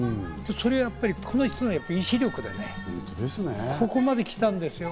それはやっぱり、この人の意志力でね、ここまで来たんですよ。